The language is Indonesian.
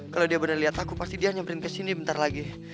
kalau dia bener bener liat aku pasti dia nyamperin kesini bentar lagi